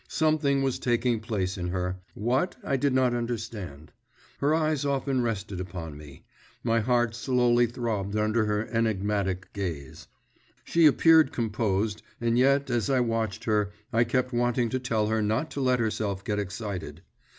Something was taking place in her; what, I did not understand. Her eyes often rested upon me; my heart slowly throbbed under her enigmatic gaze. She appeared composed, and yet as I watched her I kept wanting to tell her not to let herself get excited.